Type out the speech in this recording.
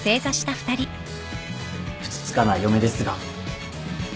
ふつつかな嫁ですが。